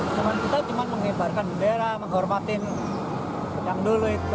cuma kita cuma mengibarkan bendera menghormatin yang dulu itu